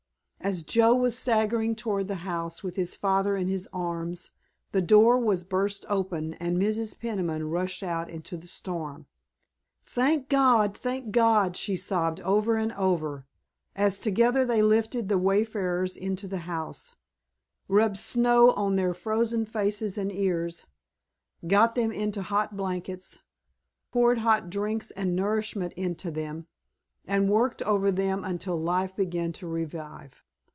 As Joe was staggering toward the house with his father in his arms the door was burst open and Mrs. Peniman rushed out into the storm. "Thank God, thank God!" she sobbed over and over, as together they lifted the wayfarers into the house, rubbed snow on their frozen faces and ears, got them into hot blankets, poured hot drinks and nourishment into them, and worked over them until life began to revive.